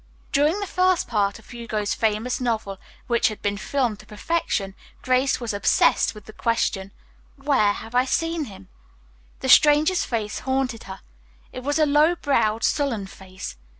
During the first part of Hugo's famous novel, which had been filmed to perfection, Grace was obsessed with the question: "Where have I seen him?" The stranger's face haunted her. It was a low browed, sullen face.